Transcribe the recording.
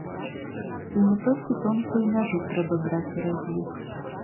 І не толькі тонкую мяжу трэба браць у разлік.